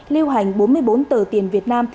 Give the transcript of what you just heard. lưu hành bốn mươi bốn tờ tiền việt nam